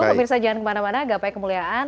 pemirsa jangan kemana mana gapai kemuliaan